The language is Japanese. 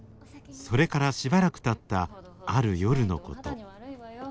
それからしばらくたったある夜のこと。